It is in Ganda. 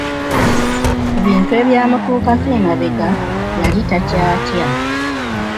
Ku bintu ebyamutuukako emabega, yali takyatya.